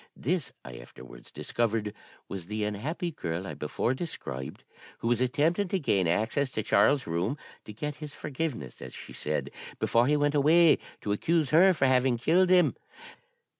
This, I afterwards discovered, was the unhappy girl I before described, who was attempting to gain access to Charles's room, to 'get his forgiveness,' as she said, 'before he went away to accuse her for having killed him.'